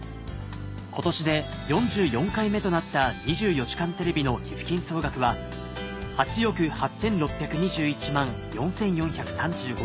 今年で４４回目となった『２４時間テレビ』の寄付金総額は８億８６２１万４４３５